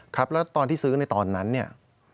ครับแล้วตอนที่ซื้อในตอนนั้นเนี่ย